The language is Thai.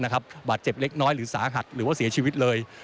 บาดเจ็บเล็กน้อยหรือสาหัสหรือว่าเสียชีวิตเลย